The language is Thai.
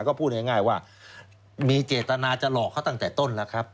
ก็พูดง่ายว่ามีเจตนาจะหลอกเขาตั้งแต่ต้นแล้วครับ